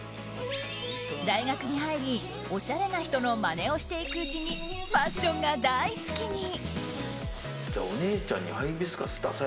大学に入り、おしゃれな人のまねをしていくうちにファッションが大好きに。